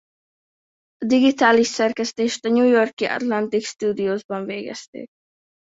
A digitális szerkesztést a New York-i Atlantic Studiosban végezték.